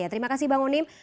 terima kasih bang onim